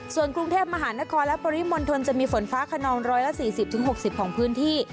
ส่วนกรุงเทพมหานครและปริมณฑลจะมีฝนฟ้าขนอง๑๔๐๖๐ของพื้นที่